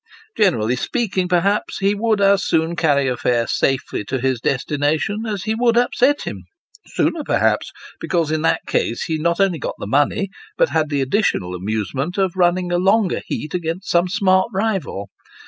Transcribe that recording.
Generally speaking, perhaps, he would as soon carry a fare safely to his destination, as he would upset him sooner, r perhaps, because in that case he not only got the money, but had the additional amusement of running a longer heat against some smart rival.